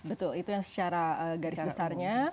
betul itu yang secara garis besarnya